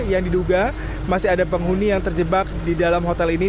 yang diduga masih ada penghuni yang terjebak di dalam hotel ini